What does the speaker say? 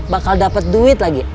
bakal dapat duit lagi